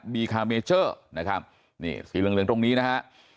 คาเมเจอร์นะครับนี่สีเหลืองตรงนี้นะฮะ